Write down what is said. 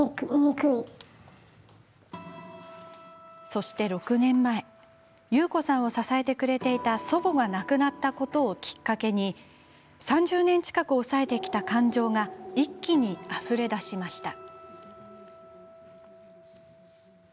そして、６年前ユウコさんを支えてくれていた祖母が亡くなったことをきっかけに３０年近く抑えてきた感情が一気にあふれ出しました。